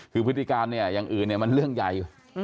คือพฤติการอย่างอื่นมันเรื่องใหญ่